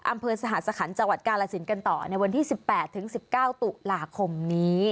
อำเภอสหสคัญจังหวัดกาลสินกันต่อในวันที่๑๘๑๙ตุลาคมนี้